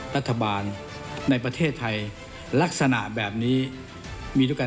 รัฐบาลในประเทศไทยลักษณะแบบนี้มีด้วยกัน